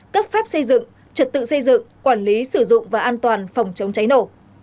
cấp phép xây dựng trật tự xây dựng quản lý sử dụng và an toàn phòng chống cháy nổ